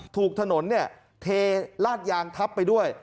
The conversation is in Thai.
ถูกถนนเทลาดยางทับไปด้วย